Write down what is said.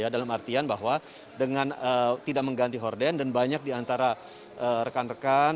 dalam artian bahwa dengan tidak mengganti horden dan banyak diantara rekan rekan